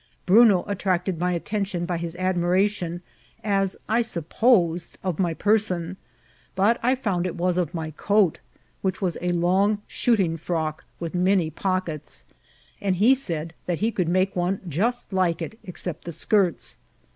Bruno attracted my attention by his admiration, as I supposed, of my person; but I found it INTBRS8TINO EXPLORATIONS. 119 was of my coat^ which was a long shootmg^frock, with many pockets; and he said that he could make one jnst like it except the skirts.